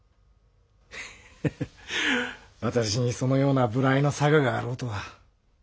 ヘヘヘ私にそのような無頼な性があろうとは。